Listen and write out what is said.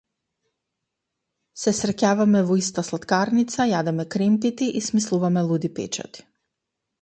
Се среќаваме во иста слаткарница, јадеме кремпити и смислуваме луди печати.